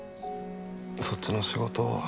そっちの仕事